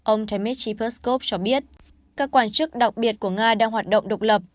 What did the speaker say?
ông tymeshi peskov cho biết các quan chức đặc biệt của nga đang hoạt động độc lập